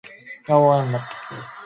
ヨポポイ音頭